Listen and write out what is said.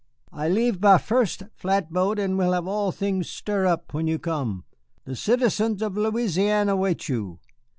I leave by first flatboat and will have all things stir up when you come. The citizens of Louisiane await you.